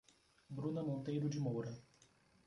Bruna Monteiro de Moura